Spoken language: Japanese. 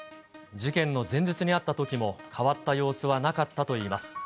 事件の前日に会ったときも、変わった様子はなかったといいます。